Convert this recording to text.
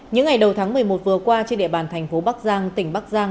những ngày đầu tháng một mươi một vừa qua trên địa bàn thành phố bắc giang tỉnh bắc giang